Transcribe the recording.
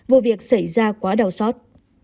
vụ việc xảy ra quá đau sót